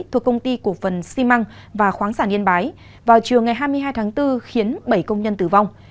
thuộc công ty cổ phần xi măng và khoáng sản yên bái vào chiều ngày hai mươi hai tháng bốn khiến bảy công nhân tử vong